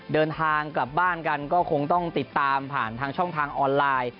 เดินทางกลับบ้านกันก็คงต้องติดตามผ่านทางช่องทางออนไลน์